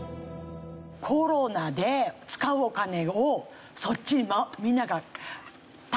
コロナで使うお金をそっちにみんなが。